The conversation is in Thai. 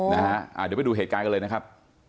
เดี๋ยวไปดูเหตุการณ์กันเลยนะครับ